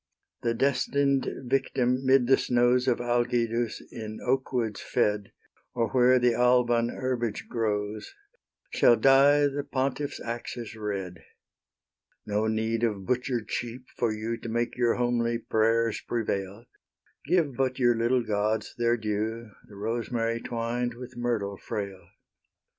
The destined victim 'mid the snows Of Algidus in oakwoods fed, Or where the Alban herbage grows, Shall dye the pontiff's axes red; No need of butcher'd sheep for you To make your homely prayers prevail; Give but your little gods their due, The rosemary twined with myrtle frail.